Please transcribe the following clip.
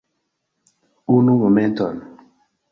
Unu momenton